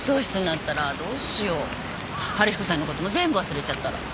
春彦さんのことも全部忘れちゃったら。